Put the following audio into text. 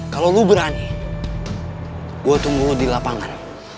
kalau lo berani gue tunggu lu di lapangan